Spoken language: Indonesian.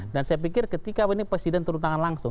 dan saya pikir ketika ini presiden turun tangan langsung